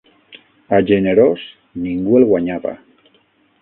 A generós ningú el guanyava.